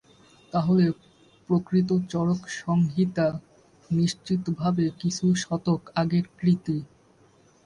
তাহলে প্রকৃত চরক সংহিতা নিশ্চিতভাবে কিছু শতক আগের কৃতি।